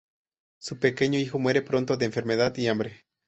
Su pequeño hijo muere pronto de enfermedad y hambre.